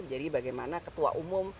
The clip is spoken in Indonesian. jadi bagaimana ketua umum